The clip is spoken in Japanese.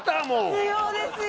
必要ですよ！